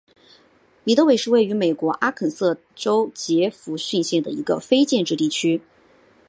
米德韦是位于美国阿肯色州杰佛逊县的一个非建制地区。